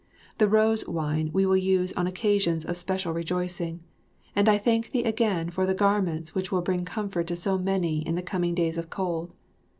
The rose wine we will use on occasions of special rejoicing; and I thank thee again for the garments which will bring comfort to so many in the coming days of cold.